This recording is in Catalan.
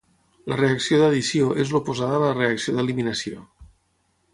La reacció d'addició és l'oposada la reacció d'eliminació.